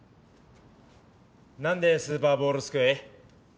なんでスーパーボールすくい？